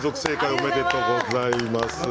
おめでとうございます。